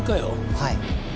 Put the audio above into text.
はい。